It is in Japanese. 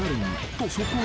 ［とそこへ］